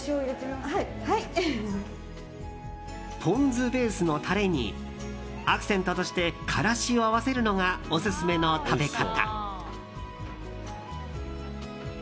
ポン酢ベースのタレにアクセントとしてカラシを合わせるのがオススメの食べ方。